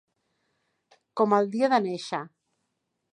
Com el dia de néixer.